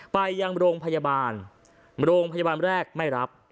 ไปยังโรงพยาบาลโรงพยาบาลแรกไม่รับ